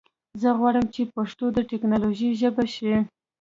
زه غواړم چې پښتو د ټکنالوژي ژبه شي.